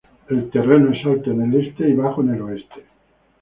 El terreno es alto en el este y bajo en el oeste.